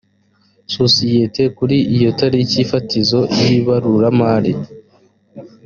sosiyete kuri iyo tariki fatizo y ibaruramari